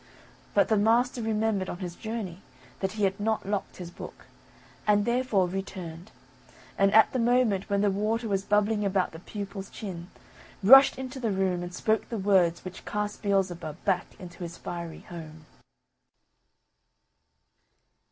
But the master remembered on his journey that he had not locked his book, and therefore returned, and at the moment when the water was bubbling about the pupil's chin, rushed into the room and spoke the words which cast Beelzebub back into his fiery home.